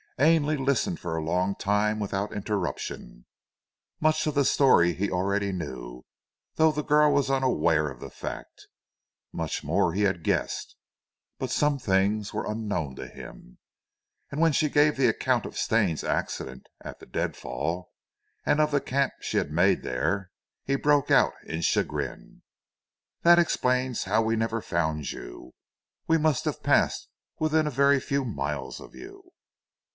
Ainley listened for a long time without interruption. Much of the story he already knew, though the girl was unaware of the fact; much more he had guessed, but some things were unknown to him, and when she gave the account of Stane's accident at the deadfall and of the camp she had made there, he broke out in chagrin: "That explains how it was we never found you. We must have passed within a very few miles of you."